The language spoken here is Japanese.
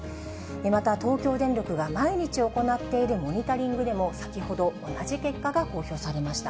また東京電力が毎日行っているモニタリングでも、先ほど同じ結果が公表されました。